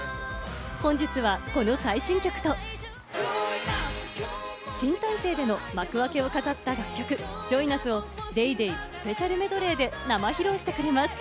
本日はこの最新曲と、新体制での幕開けを飾った楽曲『ＪｏｉｎＵｓ！』を『ＤａｙＤａｙ．』スペシャルメドレーで生披露してくれます。